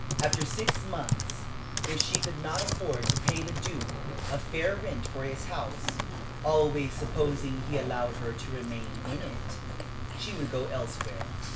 After six months, if she could not afford to pay the Duke a fair rent for his house always supposing he allowed her to remain in it she would go elsewhere.